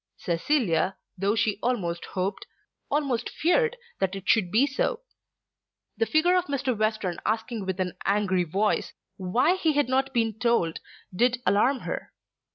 Cecilia, though she almost hoped, almost feared that it should be so. The figure of Mr. Western asking with an angry voice why he had not been told did alarm her.